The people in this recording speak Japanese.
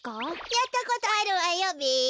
やったことあるわよべ。